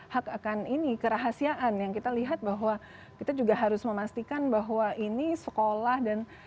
hak akan ini kerahasiaan yang kita lihat bahwa kita juga harus memastikan bahwa ini sekolah dan